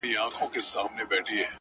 اوس مي حافظه ډيره قوي گلي؛